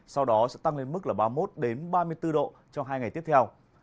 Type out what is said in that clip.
sau đó sẽ tăng lên mức là ba mươi một ba mươi bốn độ trong hai ngày tiếp theo